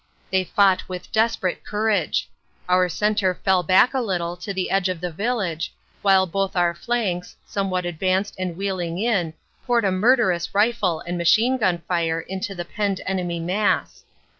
They fought with desperate courage. Our centre fell back a little to the edge of the village, while both our flanks, some what advanced and wheeling in, poured a murderous rifle and machine gun fire into the penned enemy mass.